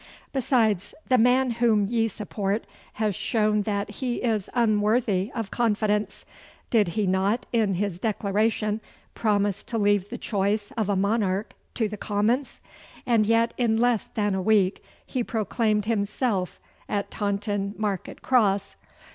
Besides, the man whom ye support has shown that he is unworthy of confidence. Did he not in his declaration promise to leave the choice of a monarch to the Commons? And yet, in less than a week, he proclaimed himself at Taunton Market Cross!